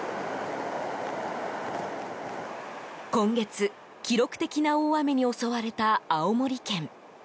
今月記録的な大雨に襲われた青森県。